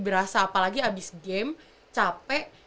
berasa apalagi abis game capek